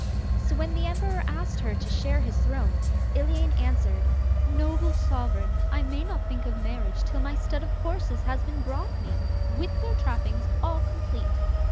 So when the emperor asked her to share his throne Iliane answered: 'Noble Sovereign, I may not think of marriage till my stud of horses has been brought me, with their trappings all complete.